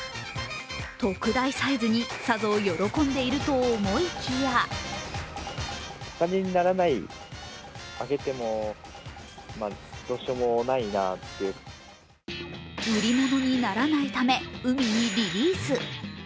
特大サイズに、さぞ喜んでいるかと思いきや売り物にならないため、海にリリース。